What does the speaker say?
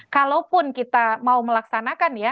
kalaupun kita mau melaksanakan ya